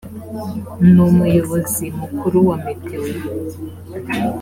ni umuyobozi mukuru wa meteo